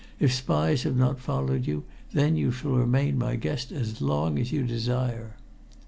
If spies have not followed you, then you shall remain my guest as long as you desire."